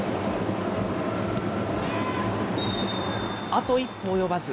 あと一歩及ばず。